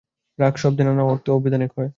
রাগ শব্দে নানা অর্থ অভিধানে কয়।